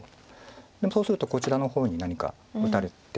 でもそうするとこちらの方に何か打たれて。